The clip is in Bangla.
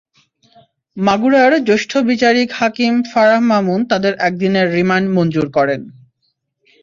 মাগুরার জ্যেষ্ঠ বিচারিক হাকিম ফারাহ মামুন তাঁদের একদিনের রিমান্ড মঞ্জুর করেন।